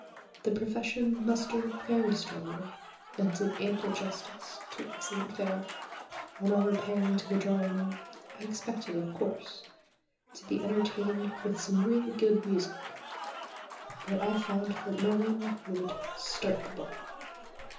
The profession mustered very strongly, and did ample justice to excellent fare; on our repairing to the drawing room, I expected, of course, to be entertained with some really good music, but I found that no one would "start the ball."